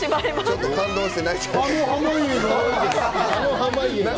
ちょっと感動して涙しちゃいました。